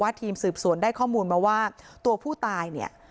บ่วงว่าทีมสืบสวนได้ข้อมูลมาว่าตัวผู้ตายนี่